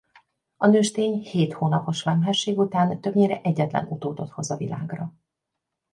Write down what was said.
A nőstény hét hónapos vemhesség után többnyire egyetlen utódot hoz a világra.